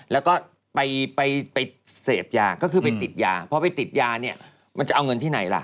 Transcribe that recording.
แล้วก็ไปไปเสพยาก็คือไปติดยาพอไปติดยาเนี่ยมันจะเอาเงินที่ไหนล่ะ